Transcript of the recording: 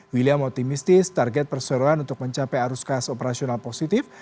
william optimistis target perseroan untuk mencapai arus kas operasional positif